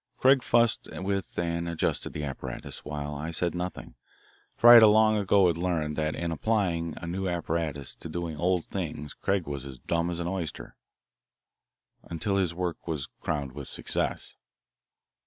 Craig fussed with and adjusted the apparatus, while I said nothing, for I had long ago learned that in applying a new apparatus to doing old things Craig was as dumb as an oyster, until his work was crowned with success.